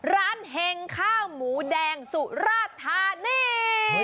ร้านแห่งข้าวหมูแดงสุราชธานี